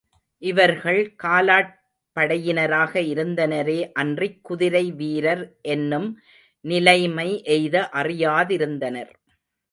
இவர்கள் காலாட் படையினராக இருந்தனரே அன்றிக் குதிரைவீரர் என்னும் நிலைமை எய்த அறியாதிருந்தனர்.